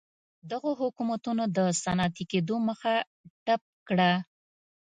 دغو حکومتونو د صنعتي کېدو مخه ډپ کړه.